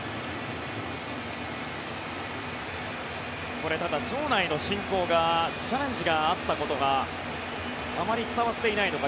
これ、ただ場内の進行がチャレンジがあったことがあまり伝わっていないのか